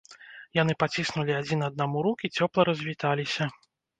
Яны паціснулі адзін аднаму рукі, цёпла развіталіся.